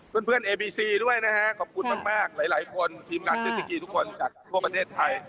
เพื่อนเอบีซีด้วยนะฮะขอบคุณมากหลายคนทีมงานเจสสกีทุกคนจากทั่วประเทศไทย